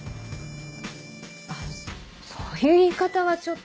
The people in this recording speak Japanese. あのそういう言い方はちょっと。